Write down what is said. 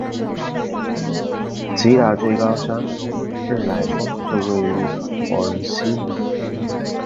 吉打最高山日莱峰就位于莪仑西部。